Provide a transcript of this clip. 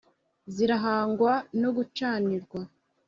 zirahangwa no gucanirwa